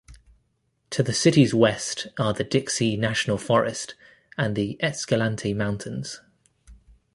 To the city's west are the Dixie National Forest and the Escalante Mountains.